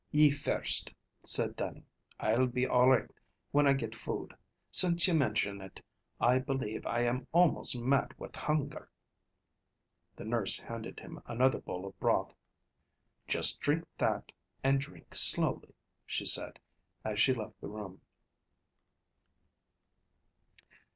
"Ye first," said Dannie. "I'll be all richt when I get food. Since ye mention it, I believe I am almost mad with hunger." The nurse handed him another bowl of broth. "Just drink that, and drink slowly," she said, as she left the room.